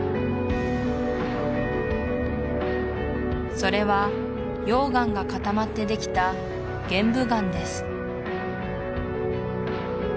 それは溶岩が固まってできた玄武岩です